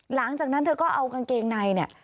หลังจากนั้นเธอก็เอากางเกงในเนี่ย